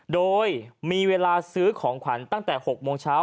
โดยมีเวลาซื้อของขวัญตั้งแต่๖โมงเช้า